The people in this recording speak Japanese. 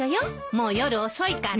もう夜遅いから。